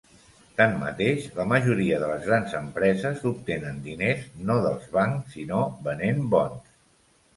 Tanmateix, la majoria de les grans empreses obtenen diners no dels bancs, sinó venent bons.